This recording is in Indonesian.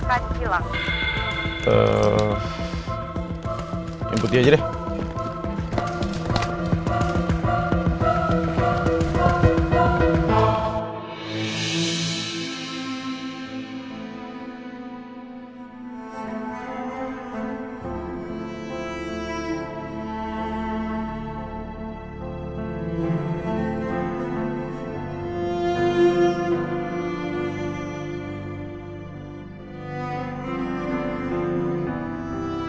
kamu akan pergi lebih dulu nak